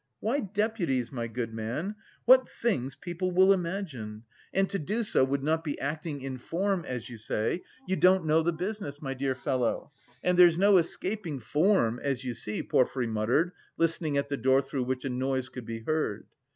"Why deputies, my good man? What things people will imagine! And to do so would not be acting in form as you say, you don't know the business, my dear fellow.... And there's no escaping form, as you see," Porfiry muttered, listening at the door through which a noise could be heard.